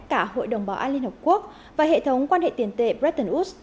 cả hội đồng bào an liên hợp quốc và hệ thống quan hệ tiền tệ bretton woods